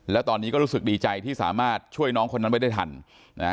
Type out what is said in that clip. แล้วตอนนี้ก็รู้สึกดีใจที่สามารถช่วยน้องคนนั้นไว้ได้ทันนะฮะ